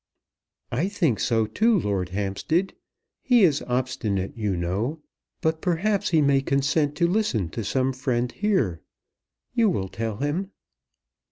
"I think so too, Lord Hampstead. He is obstinate, you know; but, perhaps, he may consent to listen to some friend here. You will tell him."